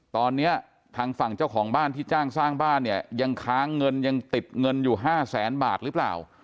ตอนนี้ทางฝั่งเจ้าของบ้านที่จ้างสร้างบ้านเนี่ยยังค้างเงินยังติดเงินอยู่๕แสนบาทหรือเปล่า